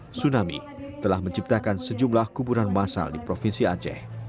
tsunami telah menciptakan sejumlah kuburan masal di provinsi aceh